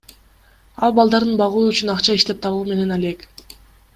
Ал балдарын багуу үчүн акча иштеп табуу менен алек.